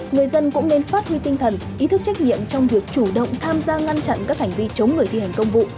người dân cũng nên phát huy tinh thần ý thức trách nhiệm trong việc chủ động tham gia ngăn chặn các hành vi chống người thi hành công vụ